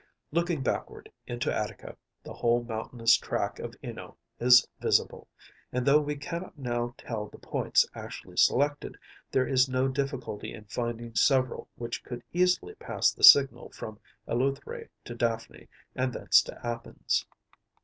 Looking backward into Attica, the whole mountainous tract of Ňínoe is visible; and, though we cannot now tell the points actually selected, there is no difficulty in finding several which could easily pass the signal from Eleutheræ to Daphne, and thence to Athens.